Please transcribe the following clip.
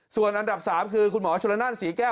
ส่วนอันดับ๓คือคุณหมอชนละนานศรีแก้ว